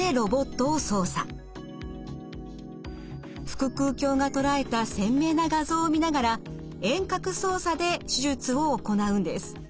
腹くう鏡が捉えた鮮明な画像を見ながら遠隔操作で手術を行うんです。